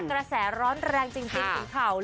กระแสร้อนแรงจริงถึงข่าว